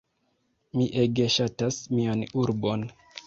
Mi ege ŝatas mian urbon.